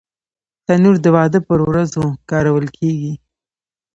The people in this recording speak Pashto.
تنور د واده پر ورځو کارول کېږي